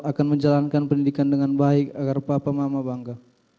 akan menjalankan pendidikan dengan baik agar papa mama bangga